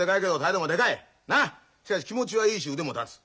しかし気持ちはいいし腕も立つ。